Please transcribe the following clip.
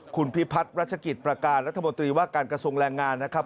คุณพิพัฒน์รัชกิจประการรัฐมนตรีว่าการกระทรวงแรงงานนะครับ